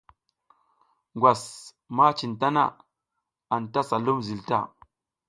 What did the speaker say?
Ngwas ma cin mi tana, anta sa lum zil ta.